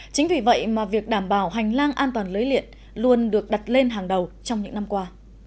chính vì vậy mà việc đảm bảo hành lang an toàn lưới điện luôn được đặt lên hàng đầu trong những năm qua